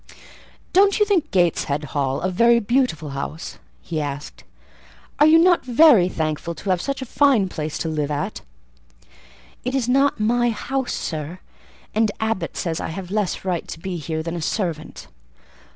"Don't you think Gateshead Hall a very beautiful house?" asked he. "Are you not very thankful to have such a fine place to live at?" "It is not my house, sir; and Abbot says I have less right to be here than a servant."